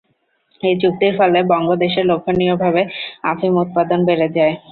এ চুক্তির ফলে বঙ্গদেশে লক্ষণীয়ভাবে আফিম উৎপাদন বেড়ে যায়।